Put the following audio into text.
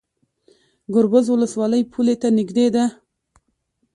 ګربز ولسوالۍ پولې ته نږدې ده؟